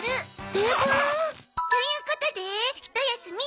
テーブル？ということで一休み。